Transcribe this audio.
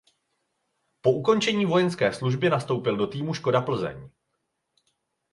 Po ukončení vojenské služby nastoupil do týmu Škoda Plzeň.